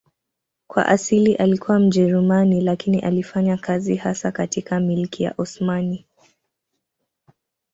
Kwa asili alikuwa Mjerumani lakini alifanya kazi hasa katika Milki ya Osmani.